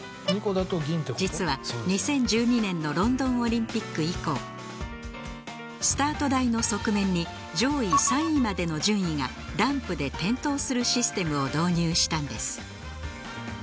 実は２０１２年のロンドンオリンピック以降スタート台の側面に上位３位までの順位がランプで点灯するシステムを導入したんです。